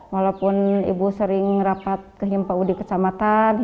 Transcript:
walaupun ibu sering rapat ke paud kecamatan